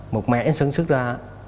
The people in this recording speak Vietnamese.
một mẻ sân sức ra